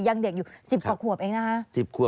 ยังเด็กอยู่๑๐กว่าขวบเองนะคะ